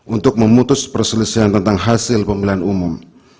untuk memutus perselisihan tentang hasil pemilihan umum